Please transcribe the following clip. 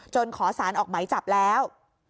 ขอสารออกไหมจับแล้ว